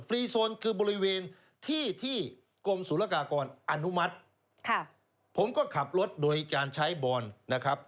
รีโซนคือบริเวณที่ที่กรมศุลกากรอนุมัติค่ะผมก็ขับรถโดยการใช้บอนนะครับ